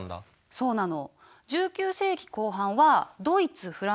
そうなの。